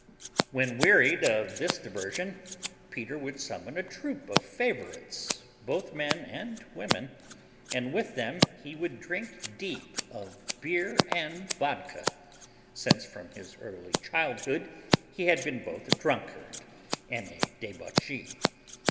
When wearied of this diversion Peter would summon a troop of favorites, both men and women, and with them he would drink deep of beer and vodka, since from his early childhood he had been both a drunkard and a debauchee.